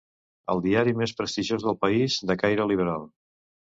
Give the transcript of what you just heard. El diari més prestigiós del país, de caire liberal.